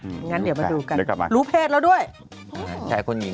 อย่างนั้นเดี๋ยวมาดูกันรู้เพจแล้วด้วยแชร์คนยิ้ม